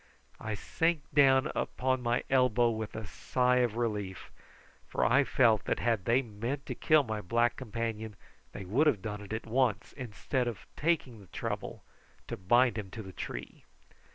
I sank down upon my elbow with a sigh of relief, for I felt that had they meant to kill my black companion they would have done it at once instead of taking the trouble to bind him to the tree.